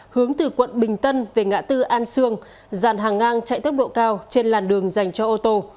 hướng từ quận bình tân về ngã tư an sương dàn hàng ngang chạy tốc độ cao trên làn đường dành cho ô tô